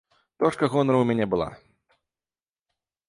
Дошка гонару у мяне была.